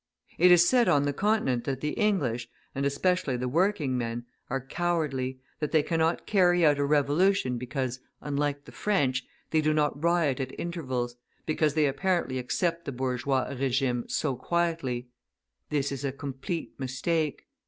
It is said on the Continent that the English, and especially the working men, are cowardly, that they cannot carry out a revolution because, unlike the French, they do not riot at intervals, because they apparently accept the bourgeois regime so quietly. This is a complete mistake.